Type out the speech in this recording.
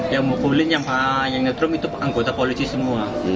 yang mukulin yang nyetrum itu anggota polisi semua